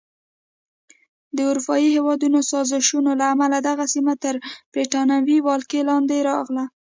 د اروپایي هېوادونو سازشونو له امله دغه سیمه تر بریتانوي ولکې لاندې راغله.